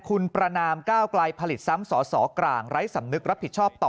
คุณประนามก้าวไกลผลิตซ้ำสอสอกลางไร้สำนึกรับผิดชอบต่อ